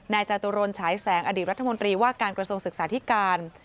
นายจาตรนฉายแสงอรัฐมนตรีว่าการกระทรงศึกษาที่การ